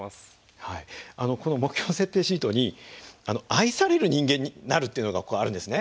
この目標設定シートに愛される人間になるっていうのがあるんですね